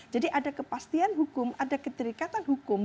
jadi ada kepastian hukum ada ketirikatan hukum